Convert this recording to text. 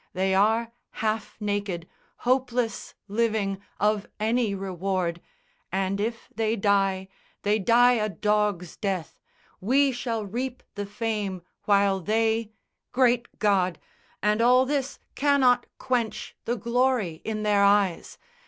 They are half naked, hopeless Living, of any reward; and if they die They die a dog's death. We shall reap the fame While they great God! and all this cannot quench The glory in their eyes.